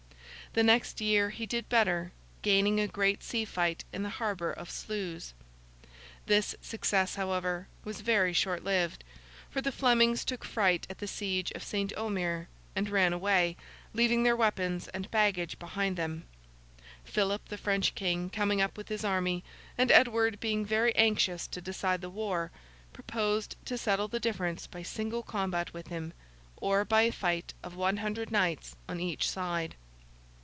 The next year he did better; gaining a great sea fight in the harbour of Sluys. This success, however, was very shortlived, for the Flemings took fright at the siege of Saint Omer and ran away, leaving their weapons and baggage behind them. Philip, the French King, coming up with his army, and Edward being very anxious to decide the war, proposed to settle the difference by single combat with him, or by a fight of one hundred knights on each side.